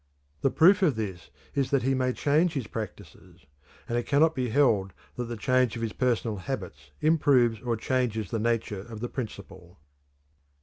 The proof of this is that he may change his practices; and it cannot be held that the change of his personal habits improves or changes the nature of the principle.